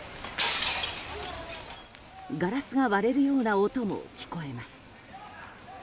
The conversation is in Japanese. ガラスが割れるような音も聞こえます。